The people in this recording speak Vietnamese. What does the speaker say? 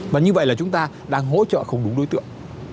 và như vậy là chúng ta đang hỗ trợ không đúng đối tượng